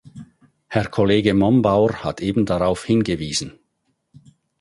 Herr Kollege Mombaur hat eben darauf hingewiesen.